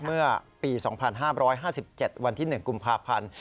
เมื่อปี๒๕๕๗วันที่๑กุมภาพันธ์